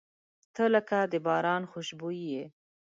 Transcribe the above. • ته لکه د باران خوشبويي یې.